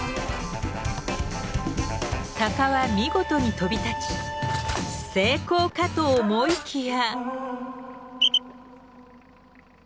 鷹は見事に飛び立ち成功かと思いきや。